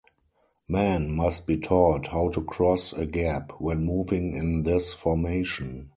Men must be taught how to cross a gap when moving in this formation.